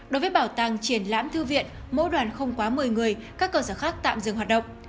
đối với bảo tàng triển lãm thư viện mỗi đoàn không quá một mươi người các cơ sở khác tạm dừng hoạt động